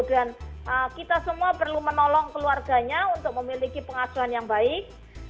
dan kita semua perlu menolong keluarganya untuk memiliki pengasuhan yang baik